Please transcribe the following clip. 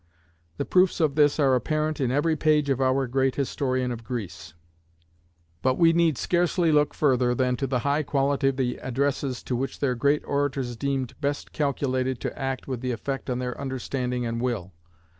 The proofs of this are apparent in every page of our great historian of Greece; but we need scarcely look further than to the high quality of the addresses which their great orators deemed best calculated to act with effect on their understanding and will.